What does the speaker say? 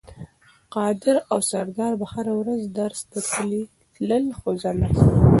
قادر او سردار به هره ورځ درس ته تلل خو زه نه.